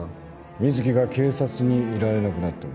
水樹が警察にいられなくなっても。